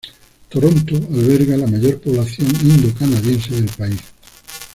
Toronto alberga la mayor población indo-canadiense del país.